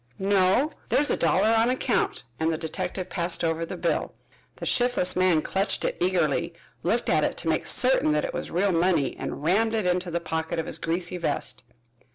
"No. There's a dollar on account," and the detective passed over the bill. The shiftless man clutched it eagerly, looked at it to make certain that it was real money, and rammed it into the pocket of his greasy vest.